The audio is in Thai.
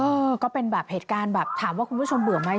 เออก็เป็นแบบเหตุการณ์แบบถามว่าคุณผู้ชมเบื่อไหม